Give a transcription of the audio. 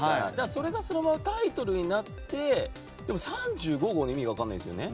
それがそのままタイトルになってでも３５号の意味が分からないんですよね。